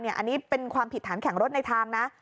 อันนี้เป็นความผิดฐานแข่งรถในทางนะ